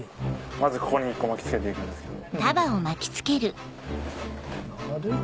まずここに１個巻き付けていくんですけど。